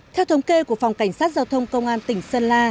theo thống kê của phòng cảnh sát giao thông công an tỉnh sơn la